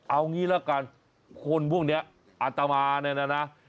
เอางี้ละกันคนพวกนี้อาตมาเนี่ยนะ